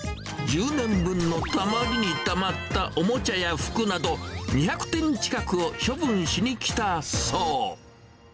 １０年分のたまりにたまったおもちゃや服など、２００点近くを処分しに来たそう。